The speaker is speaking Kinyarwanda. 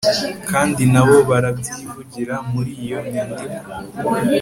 kandi nabo barabyivugira muri iyo nyandiko